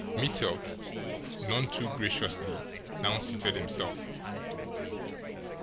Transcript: Mittel, none too graciously, now seated himself.